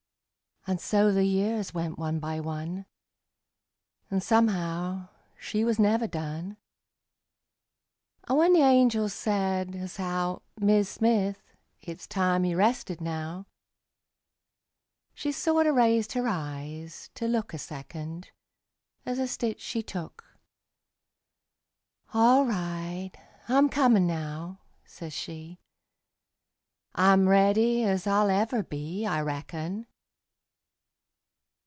And so the years went one by one, An' somehow she was never done; An' when the angel said, as how "Mis' Smith, it's time you rested now," She sorter raised her eyes to look A second, as a stitch she took; "All right, I'm comin' now," says she, "I'm ready as I'll ever be, I reckon."